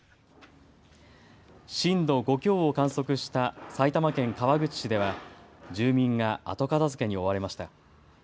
震度５強を観測した埼玉県川口市では住民が後片づけに追われました。